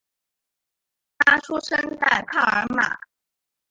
他出生在帕尔马。